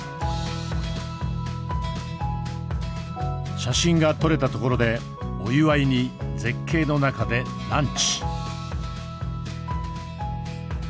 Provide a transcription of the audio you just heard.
写真が撮れたところでお祝いに絶景の中でランチ。